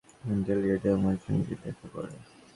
পরে মুন্সি আতিক সাহেব আবার জেল গেটে আমার সঙ্গে দেখা করে।